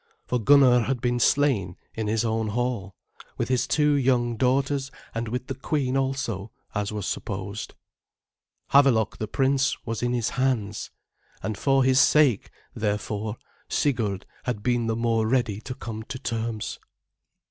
For Gunnar had been slain in his own hall, with his two young daughters and with the queen also, as was supposed. Havelok the prince was in his hands, and for his sake therefore Sigurd had been the more ready to come to terms.